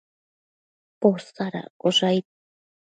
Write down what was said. Posadaccosh aid